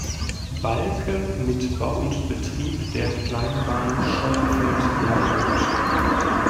Balke“ mit Bau und Betrieb der Kleinbahn „Scheuerfeld–Nauroth“.